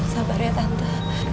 sabar ya tante